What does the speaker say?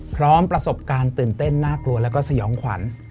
พร้อมประสบการณ์ตื่นเต้นน่ากลัวแล้วก็สยองขวัญ